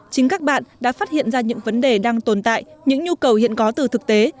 chính các bạn đã phát hiện ra những vấn đề đang tồn tại những nhu cầu hiện có từ thực tế